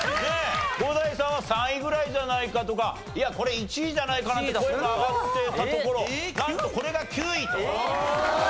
伍代さんは３位ぐらいじゃないかとかいやこれ１位じゃないかなって声が上がってたところなんとこれが９位と。